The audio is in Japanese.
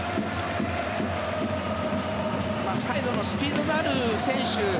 サイドのスピードがある選手